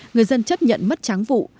người dân chấp nhận mất tráng vụ